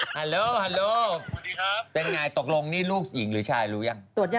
เป็นอย่างไรตกลงลูกหรือชายรู้ยัง